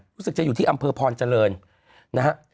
รู้สึกจะอยู่ที่อำเภอพรเจริญนะฮะ